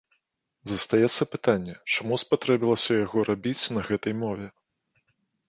Застаецца пытанне, чаму спатрэбілася яго рабіць на гэтай мове?